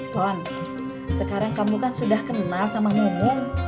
pon sekarang kamu kan sudah kenal sama mumung